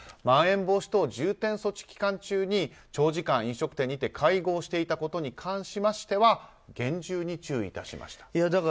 まん延防止等重点措置期間中に長時間、飲食店にて会合していたことに関しましては厳重に注意致しましたと。